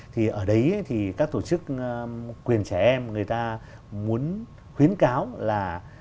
thì ở đấy thì các tổ chức quyền trẻ em người ta muốn khuyến cáo là